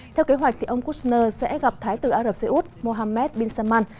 theo kế hoạch ông kushner sẽ gặp thái tử ả rập xê út mohammed bin salman